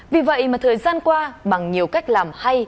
vì vậy mà thời gian qua bằng nhiều cách làm hay